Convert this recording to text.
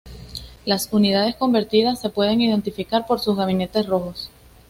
Las unidades convertidas se pueden identificar por sus gabinetes rojos.